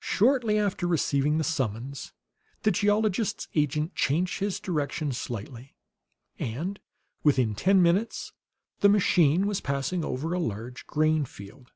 Shortly after receiving the summons, the geologist's agent changed his direction slightly; and within ten minutes the machine was passing over a large grain field.